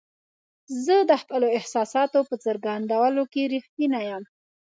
زه د خپلو احساساتو په څرګندولو کې رښتینی یم.